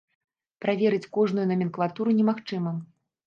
Праверыць кожную наменклатуру немагчыма.